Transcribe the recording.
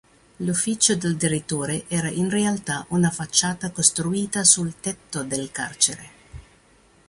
L'ufficio del direttore era in realtà una facciata costruita sul tetto del carcere.